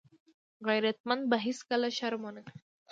غیرتمند به هېڅکله شرم ونه کړي